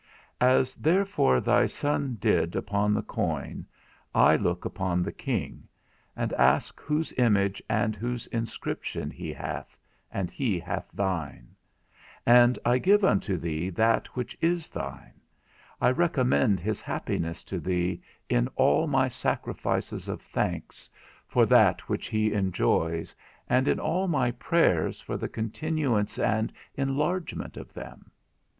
As therefore thy Son did upon the coin, I look upon the king, and I ask whose image and whose inscription he hath, and he hath thine; and I give unto thee that which is thine; I recommend his happiness to thee in all my sacrifices of thanks, for that which he enjoys, and in all my prayers for the continuance and enlargement of them.